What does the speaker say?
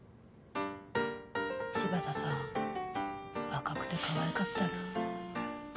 柴田さん、若くて可愛かったな。